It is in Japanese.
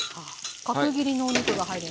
角切りのお肉が入りました。